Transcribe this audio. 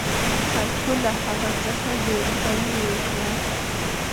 خلکو له هغه څخه ډېره پلوي وکړه.